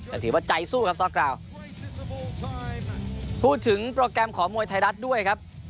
แต่ถือว่าใจสู้ครับซอกกราวพูดถึงโปรแกรมของมวยไทยรัฐด้วยครับ